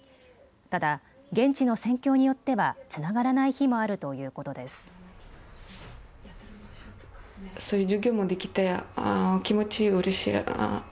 ただ、現地の戦況によってはつながらない日もあるということです。